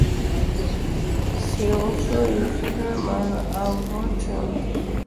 See also: Islam and abortion.